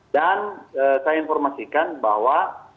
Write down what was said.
dan saya informasikan bahwa